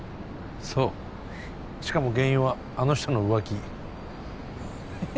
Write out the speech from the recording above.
そうしかも原因はあの人の浮気ええ？